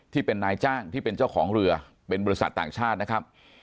ที่เป็นนายจ้างที่เป็นเจ้าของเรือเป็นบริษัทต่างชาตินะครับ